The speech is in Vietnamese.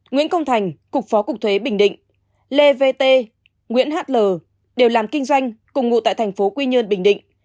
nguyễn công thành cục phó cục thuế bình định lê tê nguyễn hl đều làm kinh doanh cùng ngụ tại thành phố quy nhơn bình định